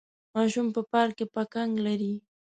ماشوم په پارک کې پکنک لري.